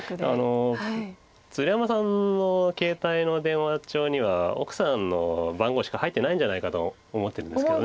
鶴山さんの携帯の電話帳には奥さんの番号しか入ってないんじゃないかと思ってるんですけど。